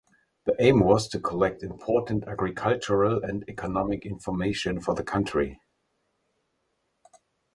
The aim was to collect important agricultural and economic information for the country.